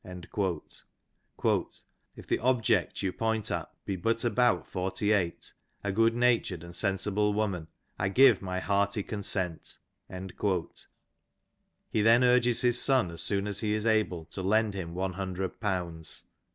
"*" If the object you point at be but about " forty eight, a good natured and sensible woman, I give my hearty " consent.'" He then urges his son as soon as he is able to lend him one hundred pounds.